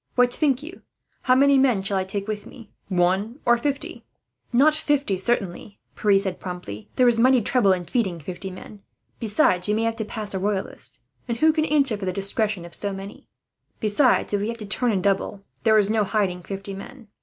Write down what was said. What think you? How many men shall I take with me one, or fifty?" "Not fifty, certainly," Pierre said promptly. "There is mighty trouble in feeding fifty men. Besides, you may have to pass as a Royalist, and who can answer for the discretion of so many? Besides, if we have to turn and double, there is no hiding fifty men.